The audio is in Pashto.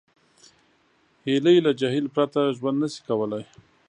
هیلۍ له جهیل پرته ژوند نشي کولی